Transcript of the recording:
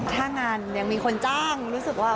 ถ้างานยังมีคนจ้างรู้สึกว่า